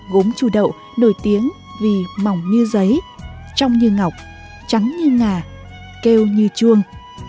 gốm chu đậu nổi tiếng vì mỏng như giấy trông như ngọc trắng như ngà kêu như chuông